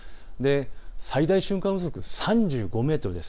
最大瞬間風速は３５メートルです。